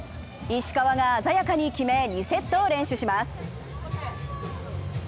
石川が鮮やかに決め２セットを連取します。